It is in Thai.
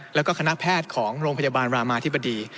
แล้วก็คณะแพทย์ของโรงพยาบาลรามาธิบดี